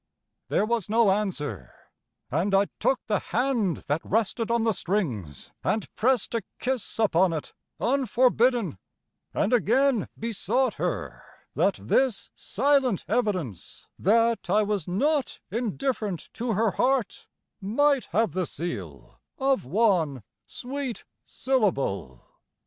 There was no answer, and I took the hand That rested on the strings, and pressed a kiss Upon it unforbidden and again Besought her, that this silent evidence That I was not indifferent to her heart, Might have the seal of one sweet syllable.